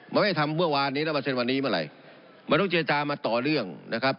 มันไม่ทำเมื่อวานนี้แล้วมาเซ็นวันนี้เมื่อไหร่มันต้องเจรจามาต่อเรื่องนะครับ